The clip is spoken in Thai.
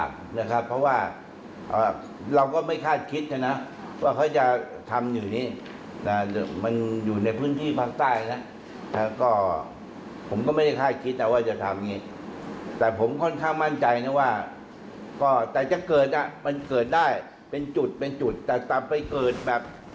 คงไม่น่าจะมีแล้วนะครับ